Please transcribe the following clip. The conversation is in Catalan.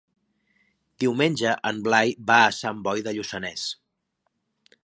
Diumenge en Blai va a Sant Boi de Lluçanès.